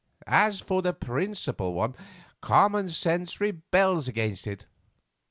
As for the principal one, common sense rebels against it.